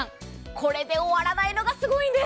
これで終わらないのがすごいんです。